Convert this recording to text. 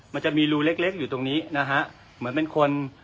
มันจะมีรูเล็กอยู่ตรงนี้นะฮะเป็นคน